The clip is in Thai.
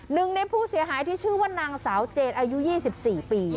หนึ่งในผู้เสียหายที่ชื่อว่านางสาวเจนอายุ๒๔ปี